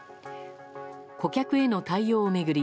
顧客への対応を巡り